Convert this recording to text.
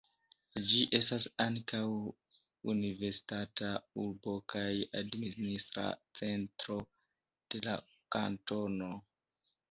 Ĝi estas ankaŭ universitata urbo kaj administra centro de la kantono.